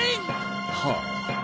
はあ。